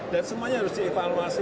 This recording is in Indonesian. dan semuanya harus dievaluasi